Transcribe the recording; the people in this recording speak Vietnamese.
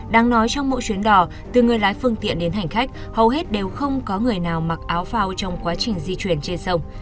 đáng nói trong mỗi chuyến đò từ người lái phương tiện đến hành khách hầu hết đều không có người nào mặc áo phao trong quá trình di chuyển trên sông